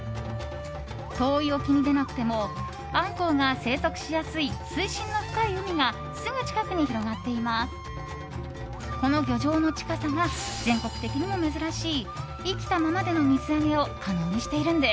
遠い沖に出なくてもアンコウが生息しやすい水深の深い海がすぐ近くに広がっています。